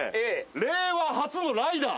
令和初のライダー・